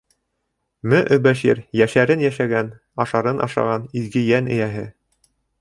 Мө-Өбәшир йәшәрен йәшәгән, ашарын ашаған изге йән эйәһе.